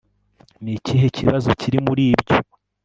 ni ikihe kibazo kiri muri ibyo